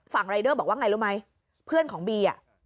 รายเดอร์บอกว่าไงรู้ไหมเพื่อนของบีอ่ะ